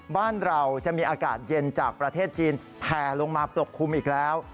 บ้านเราจะมีอากาศเย็นจากประเทศจีนแผ่ลงมาปกคลุมอีกแล้ว